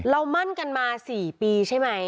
มั่นกันมา๔ปีใช่ไหม